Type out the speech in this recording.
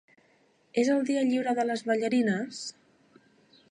És el dia lliure de les ballarines?